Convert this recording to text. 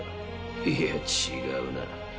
いや違うな。